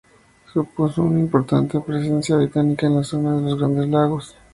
Supuso una importante presencia británica en la zona de los Grandes Lagos.